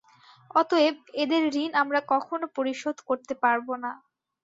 অতএব এদের ঋণ আমরা কখনও পরিশোধ করতে পারব না।